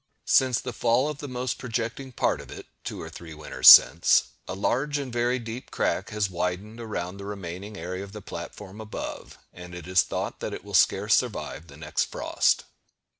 Since the fall of the most projecting part of it, two or three winters since, a large and very deep crack has widened around the remaining area of the platform above, and it is thought that it will scarce survive the next frost.